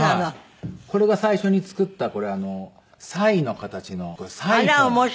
これが最初に作ったこれあのサイの形のこれ『サイフォン』。